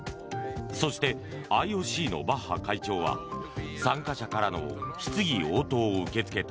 そして、ＩＯＣのバッハ会長は参加者からの質疑応答を受けつけた。